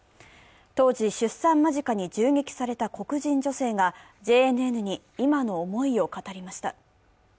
当時、出産間近に銃撃された黒人女性がＪＮＮに今の思いを語りました。